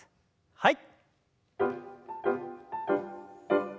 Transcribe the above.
はい。